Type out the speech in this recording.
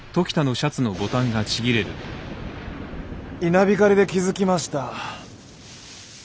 稲光で気付きました。